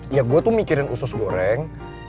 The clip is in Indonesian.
ya gue tuh mikirin usus goreng